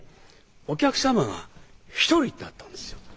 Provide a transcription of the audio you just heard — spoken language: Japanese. お客様が１人だったんですよ。